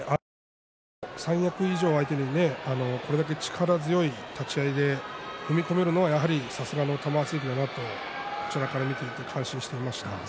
三役以上相手にこれだけ力強い立ち合いで踏み込めるのは、やはりさすがの玉鷲関だなとこちらから見ていて感心していました。